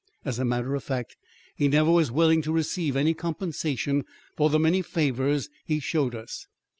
As a matter of fact, he never was willing to receive any compensation for the many favors he showed us.